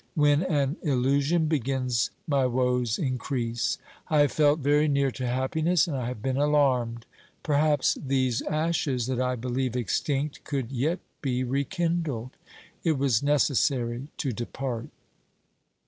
When an illusion begins my woes increase. I have felt very near to happiness and I have been alarmed. Perhaps these ashes that I believe extinct could yet be rekindled. It was necessary to depart.